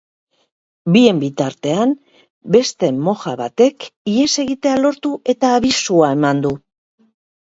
Bien bitartean, beste moja batek ihes egitea lortu eta abisua eman du.